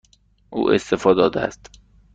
او استعفا داده است.